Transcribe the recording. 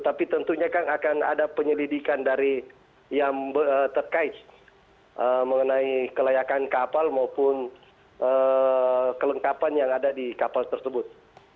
tapi tentunya kan akan ada penyelidikan dari yang terkait mengenai kelayakan kapal maupun kelengkapan yang ada di kapal tersebut